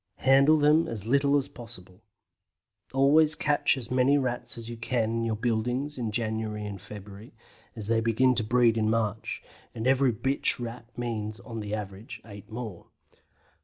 Handle them as little as possible. Always catch as many Rats as you can in your buildings in January and February, as they begin to breed in March, and every bitch Rat means, on the average, eight more.